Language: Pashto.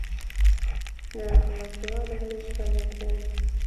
د رحمت دعا د هر انسان اړتیا ده.